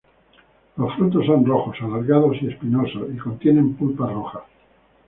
Los frutos son rojos, alargados y espinoso y contienen pulpa roja.